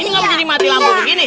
ini nggak bisa dimatikan lampu begini